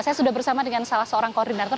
saya sudah bersama dengan salah seorang koordinator